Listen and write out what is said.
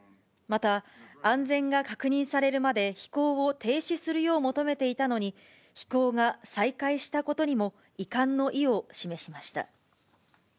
また、安全が確認されるまで飛行を停止するよう求めていたのに、飛行が再開したことにも遺憾の意を示しました。